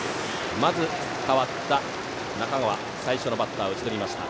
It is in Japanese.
まず、代わった中川が最初のバッターを打ち取りました。